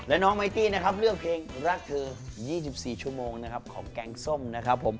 และน้องไมตี้นะครับเลือกเพลงรักเธอ๒๔ชั่วโมงนะครับของแกงส้มนะครับผม